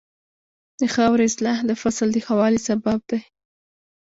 د خاورې اصلاح د فصل د ښه والي سبب ده.